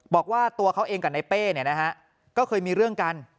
บอกว่าตัวเขาเองกับในเป้เนี่ยนะฮะก็เคยมีเรื่องกัน